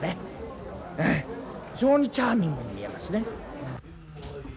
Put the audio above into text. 非常にチャーミングに見えますね。